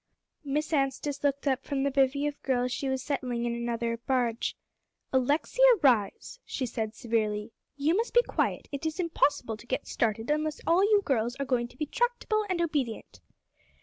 Miss Anstice looked up from the bevy of girls she was settling in another barge. "Alexia Rhys," she said severely, "you must be quiet; it is impossible to get started unless all you girls are going to be tractable and obedient."